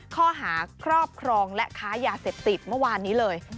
ข้อหาครอบครองและค้ายาเสพติดเมื่อวานนี้เลย